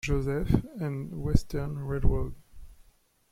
Joseph and Western Railroad.